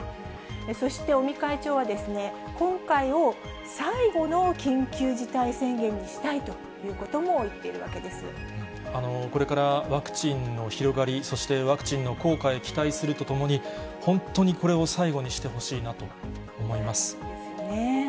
そして尾身会長は、今回を最後の緊急事態宣言にしたいということも言っているわけでこれからワクチンの広がり、そしてワクチンの効果へ期待するとともに、本当にこれを最後にしですよね。